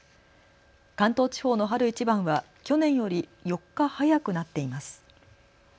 関東地方の春一番は去年より４日早くなっています。